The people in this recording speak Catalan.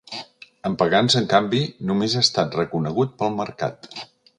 En Pagans, en canvi, només ha estat reconegut pel mercat.